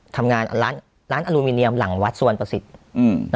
ทำงานนะร้านอัลูมิเนียมหลังวัดสวรปศิษฐ์อืม